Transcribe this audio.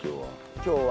今日は。